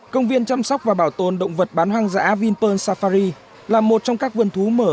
công viên chăm sóc và bảo tồn động vật bán hoang dã vinpearl safari là một trong các vườn thú mở